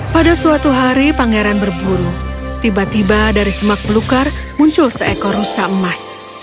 pada suatu hari pangeran berburu tiba tiba dari semak belukar muncul seekor rusa emas